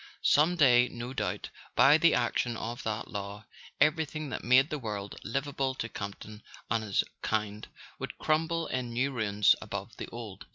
Some day, no doubt, by the action of that law, everything that made the world livable to Campton and his kind would crumble in new ruins above the old.